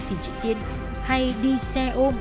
thì chị tiên hay đi xe ôm